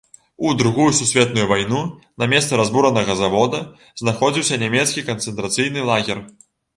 У другую сусветную вайну на месцы разбуранага завода знаходзіўся нямецкі канцэнтрацыйны лагер.